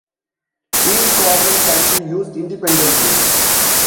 Each quadrant can be used independently.